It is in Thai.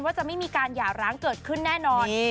จะไม่มีการหย่าร้างเกิดขึ้นแน่นอน